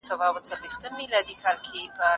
خپله کورنۍ په ناسمو پرېکړو مه ځوروئ.